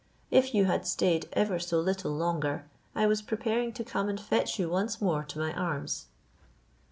If you had stayed ever so little longer, I was preparing to come and fetch you once more to my arms."